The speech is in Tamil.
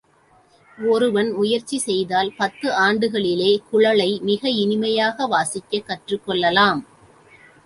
ஒருவன் முயற்சி செய்தால் பத்து ஆண்டுகளிலே குழலை மிக இனிமையாக வாசிக்கக் கற்றுக் கொள்ளலாம்.